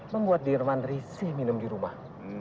membuat dirman risih minum di rumah